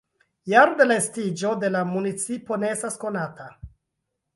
Jaro de la estiĝo de la municipo ne estas konata.